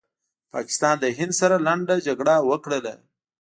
پاکستان د هند سره لنډه جګړه وکړله